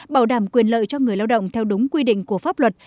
bảo đảm quyền lợi cho người lao động theo đúng quy định của pháp luật